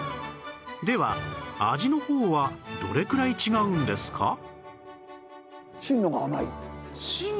では味の方はどれくらい違うんですか？